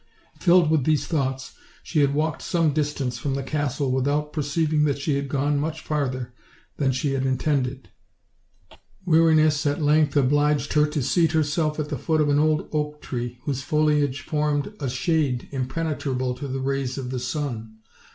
Filled with these thoughts, she had walked some distance from the castle without perceiving that she had gone much further than she had intended. Weariness at length obliged her to seat herself at the foot of an old oak tree, whose foliage formed a shade im penetrable to the rays of the sun.